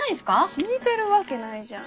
聞いてるわけないじゃん。